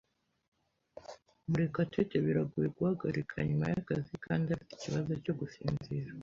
Murekatete biragoye guhagarika nyuma yakazi kandi afite ikibazo cyo gusinzira.